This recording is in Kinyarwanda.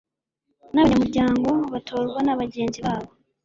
n abanyamuryango batorwa na bagenzi babo